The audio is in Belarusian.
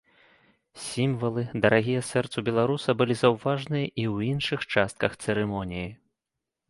Сімвалы, дарагія сэрцу беларуса, былі заўважаныя і ў іншых частках цырымоніі.